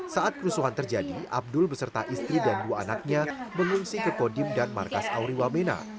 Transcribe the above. saat kerusuhan terjadi abdul beserta istri dan dua anaknya mengungsi ke kodim dan markas auri wamena